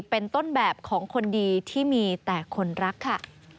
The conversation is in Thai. เป็นต้นแบบของคนดีที่มีแต่คนรักค่ะ